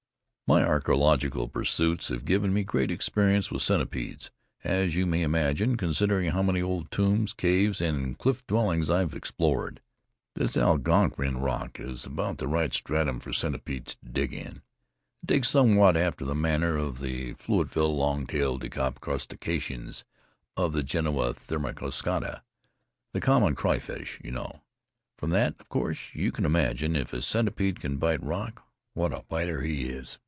"My archaeological pursuits have given me great experience with centipedes, as you may imagine, considering how many old tombs, caves and cliff dwellings I have explored. This Algonkian rock is about the right stratum for centipedes to dig in. They dig somewhat after the manner of the fluviatile long tailed decapod crustaceans, of the genera Thoracostraca, the common crawfish, you know. From that, of course, you can imagine, if a centipede can bite rock, what a biter he is."